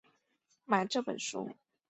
买这本书